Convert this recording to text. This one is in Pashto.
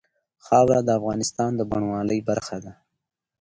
خاوره د افغانستان د بڼوالۍ برخه ده.